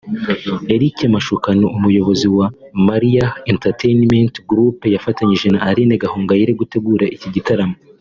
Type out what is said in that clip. Eric Mashukano umuyobozi wa Moriah Entertainment group yafatanyije na Aline Gahongayire gutegura iki gitaramo